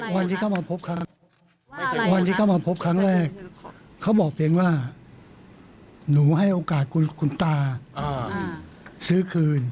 วันที่เขามาพบครั้งแรกเขาบอกเพียงว่าหนูให้โอกาสคุณตาซื้อคืน